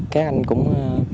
các anh cũng